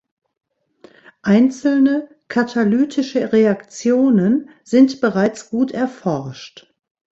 Einzelne katalytische Reaktionen sind bereits gut erforscht.